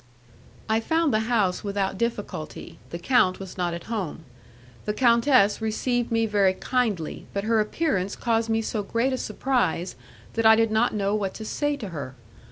I found the house without difficulty; the count was not at home. The countess received me very kindly, but her appearance caused me so great a surprise that I did not know what to say to her.